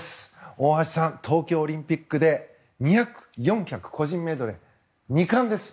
大橋さん、東京オリンピックで２００、４００、個人メドレー２冠です。